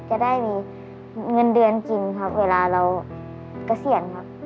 จะได้มีเงินเดือนกินครับเวลาเราเกษียณครับ